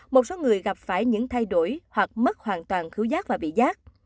một số người gặp phải những thay đổi hoặc mất hoàn toàn thiếu giác và bị giác